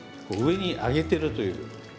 上に上げてるという。